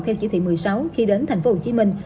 theo chỉ thị một mươi sáu khi đến thành phố hồ chí minh